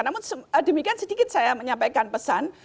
namun demikian sedikit saya menyampaikan pesan